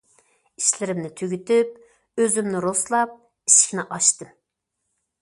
ئىشلىرىمنى تۈگىتىپ ئۆزۈمنى رۇسلاپ ئىشىكنى ئاچتىم.